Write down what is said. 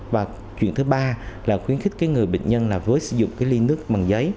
và chuyện thứ ba là khuyến khích người bệnh nhân với sử dụng ly nước bằng giấy